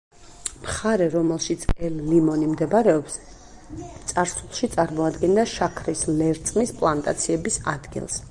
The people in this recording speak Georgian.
მხარე, რომელშიც ელ-ლიმონი მდებარეობს წარსულში წარმოადგენდა შაქრის ლერწმის პლანტაციების ადგილს.